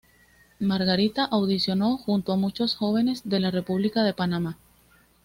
Margarita audicionó junto a muchos jóvenes de la República de Panamá.